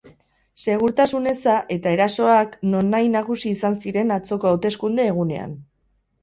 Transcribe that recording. Segurtasun eza eta erasoak nonnahi nagusi izan ziren atzoko hauteskunde egunean.